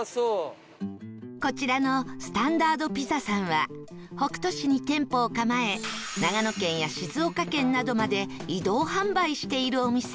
こちらの ＳＴＡＮＤＡＲＤＰＩＺＺＡ さんは北杜市に店舗を構え長野県や静岡県などまで移動販売しているお店